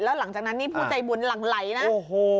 แล้วหลังจากนั้นนี่ผู้ใจบุญหลั่งไหลนะโอ้โห